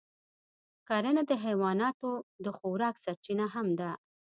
کرنه د حیواناتو د خوراک سرچینه هم ده.